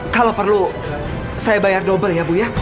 kalau perlu saya bayar double ya bu ya